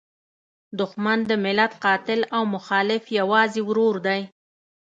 دوښمن د ملت قاتل او مخالف یوازې ورور دی.